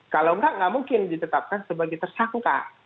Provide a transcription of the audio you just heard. kalau enggak nggak mungkin ditetapkan sebagai tersangka